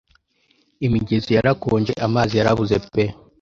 Imigezi yarakonje amazi yarabuze pe